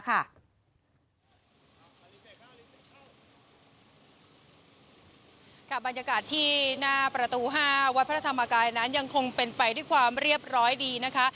ค่ะบรรยากาศที่หน้าประตู๕วัดพระธรรมกายนั้นยังคงเป็นไปด้วยความเรียบร้อยดีนะคะ